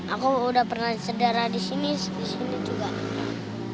aku udah pernah sedara di sini di sini juga